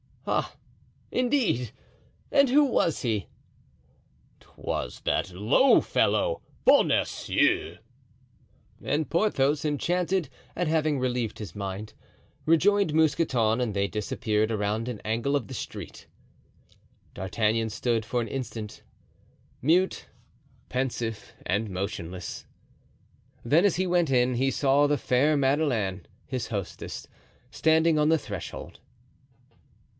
"Ah! indeed! and who was he?" "'Twas that low fellow, Bonacieux." And Porthos, enchanted at having relieved his mind, rejoined Mousqueton and they disappeared around an angle of the street. D'Artagnan stood for an instant, mute, pensive and motionless; then, as he went in, he saw the fair Madeleine, his hostess, standing on the threshold.